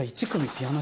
ピアノ